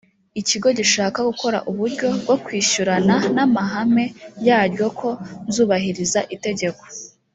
ikigo gishaka gukora uburyo bwo kwishyurana n amahame yaryo ko nzubahiriza itegeko